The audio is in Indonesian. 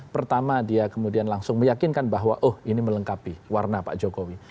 pertama dia kemudian langsung meyakinkan bahwa oh ini melengkapi warna pak jokowi